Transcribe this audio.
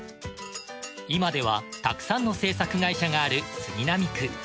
今ではたくさんの制作会社がある杉並区。